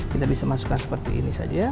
kita bisa masukkan seperti ini saja